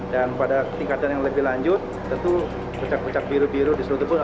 dan pada tingkatan yang lebih lanjut tentu pecak pecak biru biru di seluruh tubuh